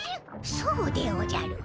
そうでおじゃる。